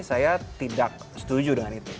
saya tidak setuju dengan itu